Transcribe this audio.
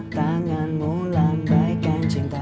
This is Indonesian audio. tanganmu lambaikan cinta